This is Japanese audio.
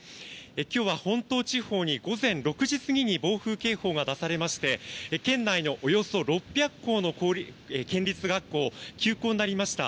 今日は本島地方に午前６時過ぎに暴風警報が出されまして県内のおよそ６００校の県立学校が休校になりました。